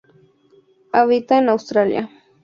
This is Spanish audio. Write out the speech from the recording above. Habita en Australia.